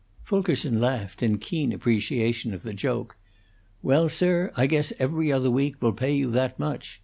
Fulkerson laughed in keen appreciation of the joke. "Well, sir, I guess 'Every Other Week' will pay you that much.